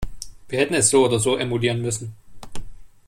Wir hätten es so oder so emulieren müssen.